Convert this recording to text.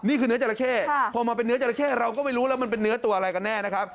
เนื้อจราเข้พอมาเป็นเนื้อจราเข้เราก็ไม่รู้แล้วมันเป็นเนื้อตัวอะไรกันแน่นะครับ